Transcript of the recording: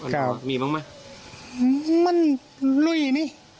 ใช่มีมากมันลุยอย่างนี้